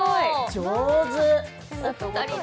上手。